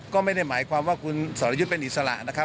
ก็ไม่ได้หมายความว่าคุณสรยุทธ์เป็นอิสระนะครับ